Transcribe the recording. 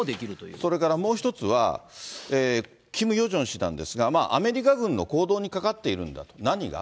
それからもう１つは、キム・ヨジョン氏なんですが、アメリカ軍の行動にかかっているんだと、何が？